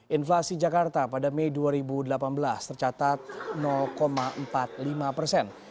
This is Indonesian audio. inflasi jakarta pada mei dua ribu delapan belas tercatat empat puluh lima persen